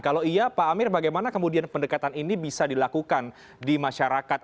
kalau iya pak amir bagaimana kemudian pendekatan ini bisa dilakukan di masyarakat